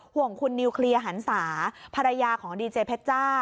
ห่วงคุณนิวเคลียร์หันศาภรรยาของดีเจเพชจ้า